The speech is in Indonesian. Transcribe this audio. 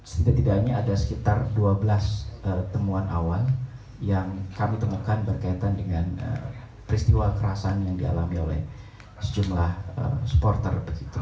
setidaknya ada sekitar dua belas temuan awal yang kami temukan berkaitan dengan peristiwa kerasan yang dialami oleh sejumlah supporter